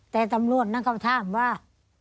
แต่ตำรวจน่ะก็ถามว่า